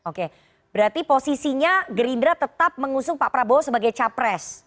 oke berarti posisinya gerindra tetap mengusung pak prabowo sebagai capres